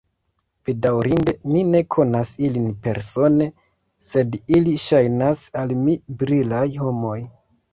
Bedaŭrinde, mi ne konas ilin persone, sed ili ŝajnas al mi brilaj homoj.